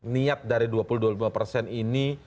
niat dari dua puluh dua puluh lima persen ini